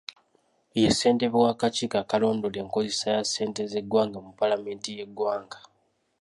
Ye ssentebe w'akakiiko akalondola enkozesa ya ssente z'eggwanga mu paalamenti y'eggwanga